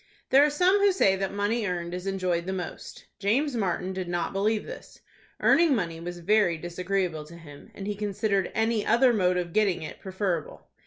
There are some who say that money earned is enjoyed the most. James Martin did not believe this. Earning money was very disagreeable to him, and he considered any other mode of getting it preferable.